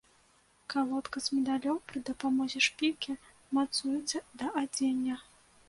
Калодка з медалём пры дапамозе шпількі мацуецца да адзення.